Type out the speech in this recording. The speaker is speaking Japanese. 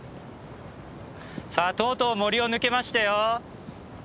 さあとうとう森を抜けましたよ。